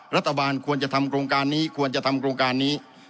รัฐบาลควรจะทำโครงการนี้ควรจะทำโครงการนี้